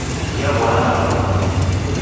Diawonana law'uke